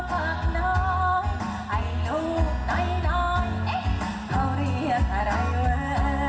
เขาเรียกอะไรเว้ย